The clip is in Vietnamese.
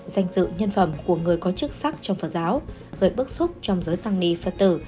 danh dự nhân phẩm của người có chức sắc trong phật giáo gây bức xúc trong giới tăng ni phật tử